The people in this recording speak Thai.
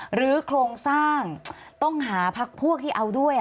โครงสร้างต้องหาพักพวกที่เอาด้วย